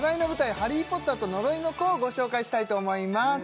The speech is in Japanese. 「ハリー・ポッターと呪いの子」をご紹介したいと思います